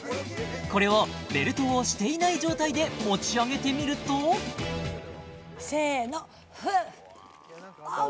これをベルトをしていない状態で持ち上げてみるとせーのフッあっ